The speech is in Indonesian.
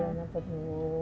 mbah ya nanti dulu